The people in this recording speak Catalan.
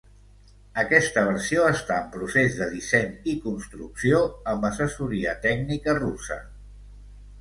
Aquesta versió està en procés de disseny i construcció amb assessoria tècnica russa.